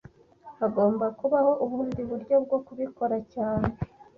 Hagomba kubaho ubundi buryo bwo kubikora cyane